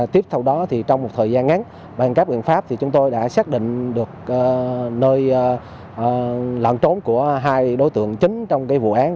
tiếp theo đó thì trong một thời gian ngắn bàn các biện pháp thì chúng tôi đã xác định được nơi lẩn trốn của hai đối tượng chính trong vụ án